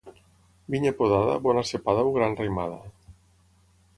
Vinya podada, bona cepada o gran raïmada.